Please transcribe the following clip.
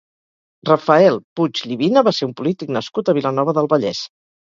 Rafael Puig Llivina va ser un polític nascut a Vilanova del Vallès.